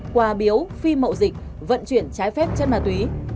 quà biếu phi mậu dịch vận chuyển trái phép chất ma túy